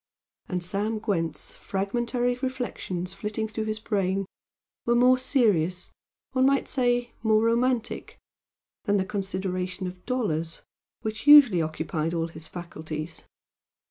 And Sam Gwent's fragmentary reflections flitting through his brain were more serious one might say more romantic, than the consideration of dollars, which usually occupied all his faculties.